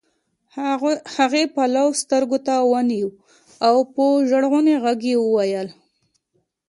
هغې پلو سترګو ته ونيوه او په ژړغوني غږ يې وويل.